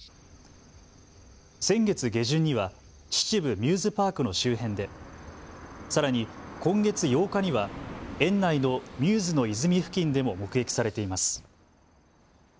先月下旬には秩父ミューズパークの周辺でさらに今月８日には園内のミューズの泉付近でも目撃されています。